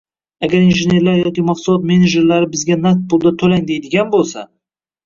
Agar injenerlar yoki mahsulot menejerlari bizga naqd pulda toʻlang deydigan boʻlsa